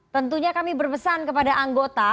tentunya kami berpesan kepada anggota